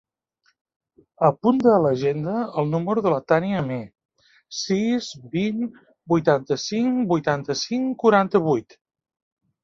Apunta a l'agenda el número de la Tània Amer: sis, vint, vuitanta-cinc, vuitanta-cinc, quaranta-vuit.